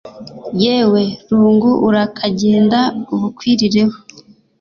yewe rungu urakagenda bukwirireho